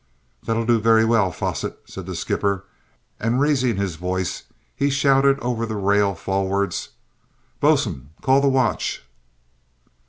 "That'll do very well, Fosset," said the skipper, and, raising his voice, he shouted over the rail forwards "Bosun, call the watch!"